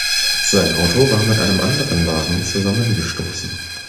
Sein Auto war mit einem anderen Wagen zusammengestoßen.